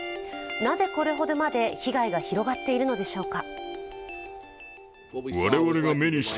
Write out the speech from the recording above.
なぜこれほどまで被害が広がっているのでしょうか。